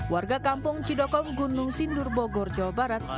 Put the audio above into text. warga kampung cidokong gunung sindur bogor jawa barat